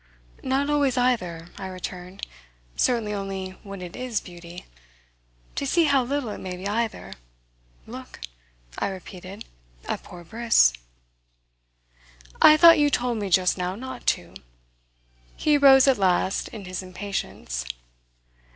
"Not always, either," I returned. "Certainly only when it is beauty. To see how little it may be either, look," I repeated, "at poor Briss." "I thought you told me just now not to!" He rose at last in his impatience.